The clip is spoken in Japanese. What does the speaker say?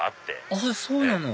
あっそうなの？